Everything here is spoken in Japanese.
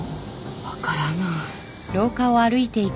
分からない。